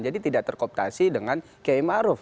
jadi tidak terkooptasi dengan km aruf